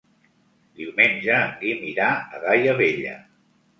Diumenge en Guim irà a Daia Vella.